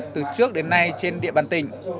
từ trước đến nay trên địa bàn tỉnh